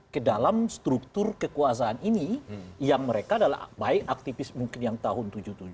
ke dalam struktur kekuasaan ini yang mereka adalah baik aktivis mungkin yang tahun seribu sembilan ratus tujuh puluh tujuh